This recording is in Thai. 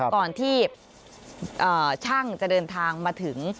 ก่อนที่ช่างจะเดินทางมาถึง